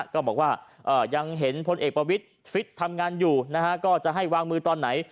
ก็บอกว่ายังเห็นพลเอกประวิทย์ฟิตทำงานอยู่นะฮะก็จะให้วางมือตอนไหน